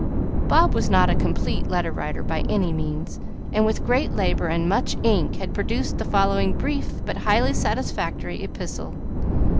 Bob was not a "complete letter writer" by any means, and with great labor and much ink had produced the following brief but highly satisfactory epistle.